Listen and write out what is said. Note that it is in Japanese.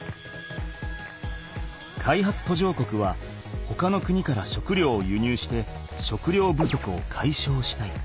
開発途上国はほかの国から食料を輸入して食料不足をかいしょうしたい。